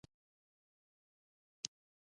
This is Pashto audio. خو دا ځل چې تلاشۍ ته يې ودرولو.